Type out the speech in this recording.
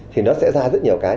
thì nó sẽ ra rất nhiều cái